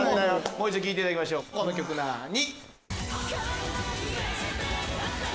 もう一度聴いていただきましょうこの曲なに？